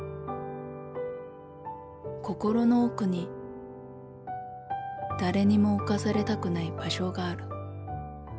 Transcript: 心の奥に誰にも侵されたくない場所がある。